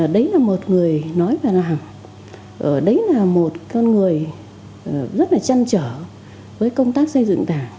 đấy là một người nói và làm đấy là một con người rất là chăn trở với công tác xây dựng đảng